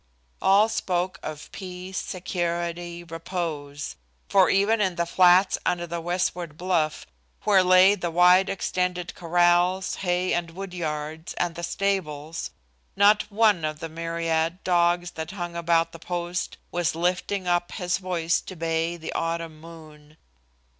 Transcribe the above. All spoke of peace, security, repose, for even in the flats under the westward bluff, where lay the wide extended corrals, hay and wood yards and the stables, not one of the myriad dogs that hung about the post was lifting up his voice to bay the autumn moon.